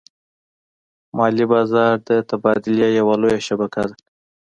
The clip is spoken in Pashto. مالي بازار د تبادلې یوه لویه شبکه ده.